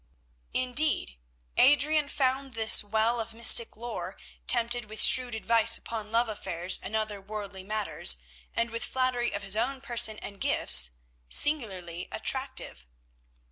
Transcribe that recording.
Indeed, Adrian found this well of mystic lore tempered with shrewd advice upon love affairs and other worldly matters, and with flattery of his own person and gifts, singularly attractive.